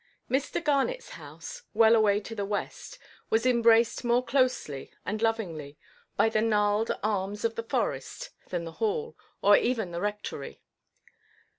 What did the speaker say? Mr. Garnetʼs house, well away to the west, was embraced more closely and lovingly by the gnarled arms of the Forest than the Hall, or even the Rectory.